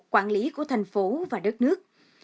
quản lý của thành phố và đất nước